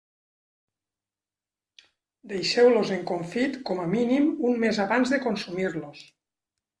Deixeu-los en confit com a mínim un mes abans de consumir-los.